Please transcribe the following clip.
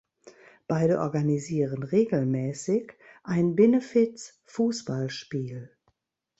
Beide organisieren regelmäßig ein Benefiz-Fußballspiel.